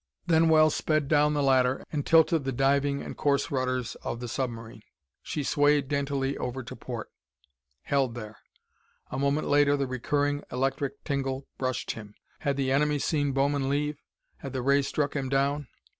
Then Wells sped down the ladder and tilted the diving and course rudders of the submarine. She swayed daintily over to port; held there. A moment later the recurring electric tingle brushed him. Had the enemy seen Bowman leave? Had the ray struck him down?